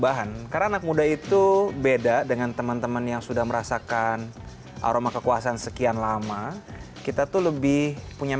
berita terkini dari kpum